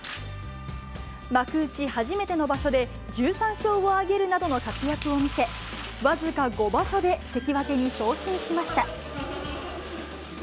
幕内初めての場所で１３勝を挙げるなどの活躍を見せ、僅か５場所で関脇に昇進しました。